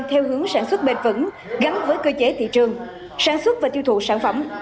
theo hướng sản xuất bền vững gắn với cơ chế thị trường sản xuất và tiêu thụ sản phẩm